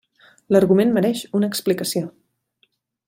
L'argument mereix una explicació.